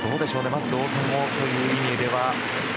まず同点をという意味では。